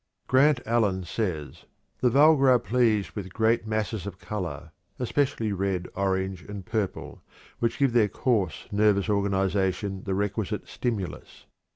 Grant Allen says: "The vulgar are pleased with great masses of color, especially red, orange, and purple, which give their coarse, nervous organization the requisite stimulus.